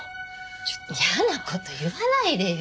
ちょっと嫌な事言わないでよ。